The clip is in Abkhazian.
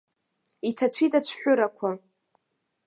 Иҭацәит ацәҳәырақәа.